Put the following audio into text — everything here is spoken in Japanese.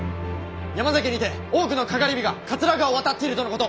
山崎にて多くの篝火が桂川を渡っているとのこと。